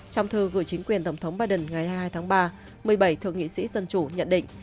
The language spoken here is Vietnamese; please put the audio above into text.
trong thư gửi chính quyền tổng thống biden ngày hai mươi hai tháng ba một mươi bảy thượng nghị sĩ dân chủ nhận định